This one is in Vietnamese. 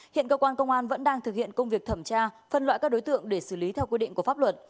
hiện cơ quan công an vẫn đang thực hiện công việc thẩm tra phân loại các đối tượng để xử lý theo quy định của pháp luật